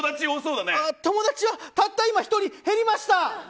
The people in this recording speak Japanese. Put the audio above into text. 友達はたった今１人減りました。